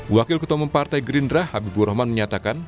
wakil ketomong partai gerindra habibur rahman menyatakan